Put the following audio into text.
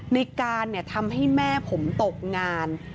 ในการทำให้แม่ผมตกงาน